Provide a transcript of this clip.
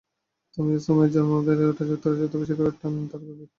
যদিও সুমাইয়ার জন্ম এবং বেড়ে ওঠা যুক্তরাষ্ট্রে, তবে শিকড়ের টান তাঁর গভীর।